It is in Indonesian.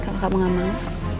kalo gak mau gak mau